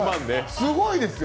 すごいですよ。